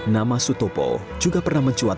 nama sutopo juga pernah mencuat